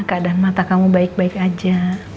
keadaan mata kamu baik baik aja